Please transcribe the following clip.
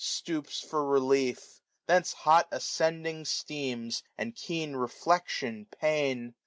Stoops for relief; thence hot ascending steams And keen reflection pain.